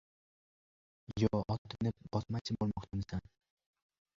— Yo, ot minib bosmachi bo‘lmoqchimisan?